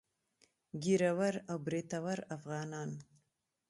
ږيره ور او برېتور افغانان.